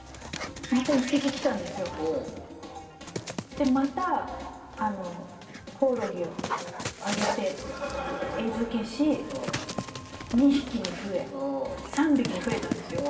でまたコオロギをあげて餌付けし２匹に増え３匹に増えたんですよ。